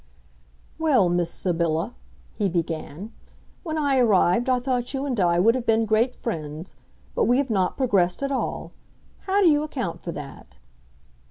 "Well, Miss Sybylla," he began, "when I arrived I thought you and I would have been great friends; but we have not progressed at all. How do you account for that?"